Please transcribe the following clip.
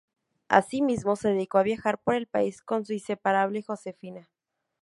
Asimismo se dedicó a viajar por el país con su inseparable Josefina.